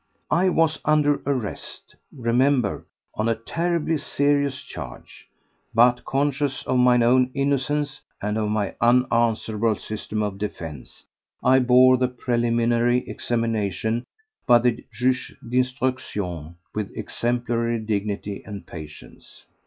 I was under arrest, remember, on a terribly serious charge, but, conscious of mine own innocence and of my unanswerable system of defence, I bore the preliminary examination by the juge d'instruction with exemplary dignity and patience.